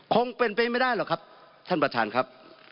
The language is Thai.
คงเป็นไปไม่ได้หรอกครับท่านประธานครับ